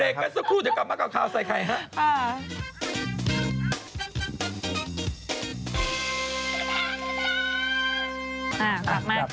เบลกแล้วสักครู่จะกลับมาก่อนคราวไซค์ใครครับ